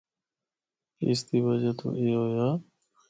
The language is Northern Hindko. اس دی وجہ تو اے ہویا۔